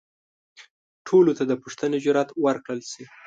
ټولو ته د پوښتنې جرئت ورکړل شي.